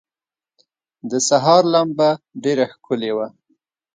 د سهار لمبه ډېره ښکلي وه.